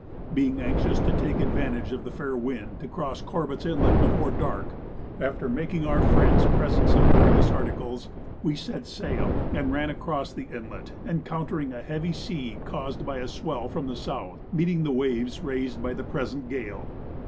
Being anxious to take advantage of the fair wind to cross Corbett's Inlet before dark, after making our friends presents of various articles, we set sail and ran across the inlet, encountering a heavy sea caused by a swell from the south meeting the waves raised by the present gale.